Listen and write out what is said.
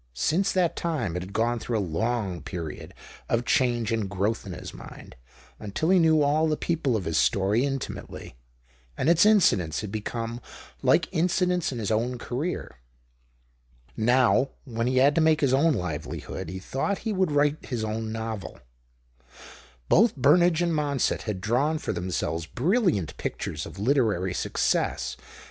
Since that time it had gone through a long period of change and growth in his own mind, until he knew all the people of his story intimately, and its incidents had become like incidents in his own career. Now, when he had to make his own livelihood, he thought he would write his own novel. Both Burn age and Monsett had drawn for themselves brilliant pictures of literary success, 86 'JlIE OCTAVE OF CLAUDIUS.